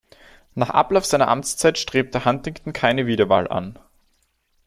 Nach Ablauf seiner Amtszeit strebte Huntington keine Wiederwahl an.